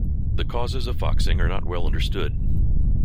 The causes of foxing are not well understood.